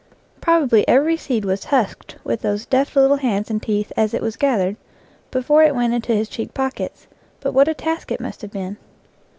Probably every seed was husked with those deft little hands and teeth as it was gathered, before it went into his cheek pockets, but what a task it must have been!